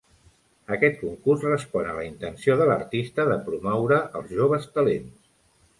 Aquest concurs respon a la intenció de l'artista de promoure els joves talents.